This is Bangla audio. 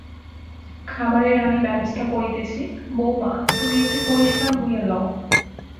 খাবারের আমি ব্যবস্থা করিতেছি, বউমা, তুমি একটু পরিষ্কার হইয়া লও।